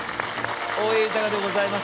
大江裕でございます。